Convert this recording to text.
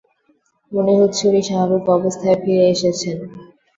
মনে হচ্ছে, উনি স্বাভাবিক অবস্থায় ফিরে এসেছেন!